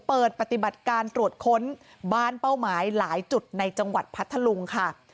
เปิดปฏิบัติการตรวจค้นบ้านเป้าหมายหลายจุดในจังหวัดพัทธลุงค่ะ